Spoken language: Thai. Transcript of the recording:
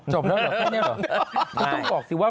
จบแล้วเหรอแค่นี้เหรอ